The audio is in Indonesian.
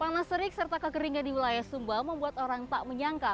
panas serik serta kekeringan di wilayah sumba membuat orang tak menyangka